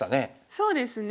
そうですね